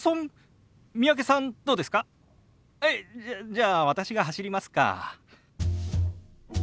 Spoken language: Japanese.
じゃあ私が走りますか。